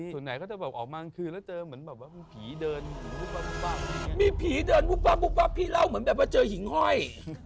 ส่วนใหญ่ก็จะแบบออกมากลางคืนแล้วเจอเหมือนแบบว่ามีผีเดินมีผีเดินวุบวับพี่เล่าเหมือนแบบว่าเจอหญิงห้อย